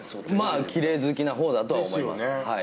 まあきれい好きなほうだとは思います。